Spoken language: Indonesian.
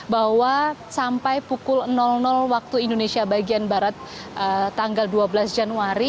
bahwa sampai pukul waktu indonesia bagian barat tanggal dua belas januari